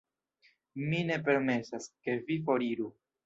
Mi ne permesas, ke vi foriru.